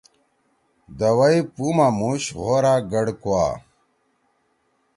دوَئی پُو ما مُوش غوار گڑ کوا۔